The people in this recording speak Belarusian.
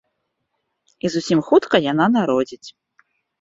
І зусім хутка яна народзіць.